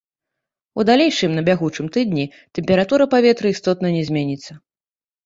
У далейшым на бягучым тыдні тэмпература паветра істотна не зменіцца.